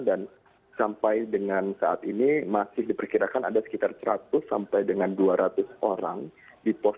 dan sampai dengan saat ini masih diperkirakan ada sekitar seratus sampai dengan dua ratus orang di pos tiga